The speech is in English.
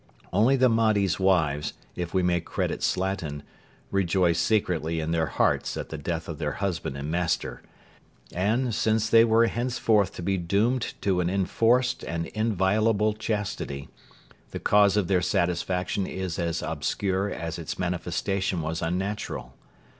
Only the Mahdi's wives, if we may credit Slatin, 'rejoiced secretly in their hearts at the death of their husband and master,' and, since they were henceforth to be doomed to an enforced and inviolable chastity, the cause of their satisfaction is as obscure as its manifestation was unnatural.